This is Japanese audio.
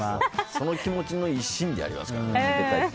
その気持ちの一心でやりますからね。